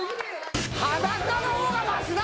裸の方がマシだ！